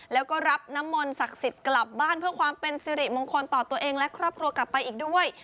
แล้วก็รับน้ำมนต์ศักดิ์สิทธิ์กลับบ้านเพื่อความเป็นสิริมงคลต่อตัวเองและครอบครัวกลับไปอีกด้วย